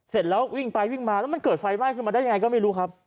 เสร็จแล้ววิ่งไปวิ่งมาแล้วมันเกิดไฟไหม้ขึ้นมาได้ยังไงก็ไม่รู้ครับ